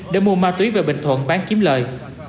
để mua ma túy về bình thuận bán kiếm lời